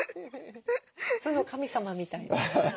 酢の神様みたい。